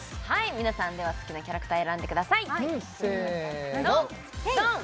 皆さんでは好きなキャラクター選んでくださいせーのドン！